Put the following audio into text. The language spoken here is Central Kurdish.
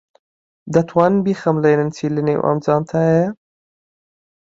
دەتوانن بیخەملێنن چی لەنێو ئەم جانتایەیە؟